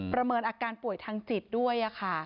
เมินอาการป่วยทางจิตด้วยค่ะ